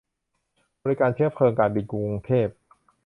บริการเชื้อเพลิงการบินกรุงเทพ